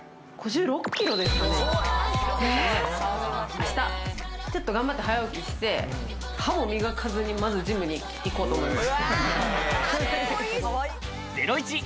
明日頑張って早起きして歯も磨かずにまずジムに行こうと思います。